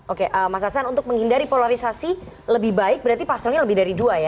oke mas hasan untuk menghindari polarisasi lebih baik berarti paslonnya lebih dari dua ya